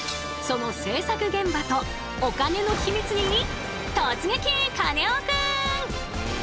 その製作現場とお金のヒミツに突撃！